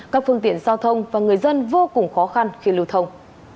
các phương tiện giao thông và người dân vô cùng khó khăn khi lưu thông